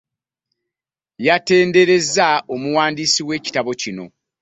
Yatenderezza omuwandiisi w'ekitabo kino